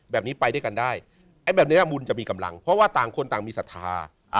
แบบนี้ไปด้วยกันได้ไอ้แบบนี้บุญจะมีกำลังเพราะว่าต่างคนต่างมีศรัทธา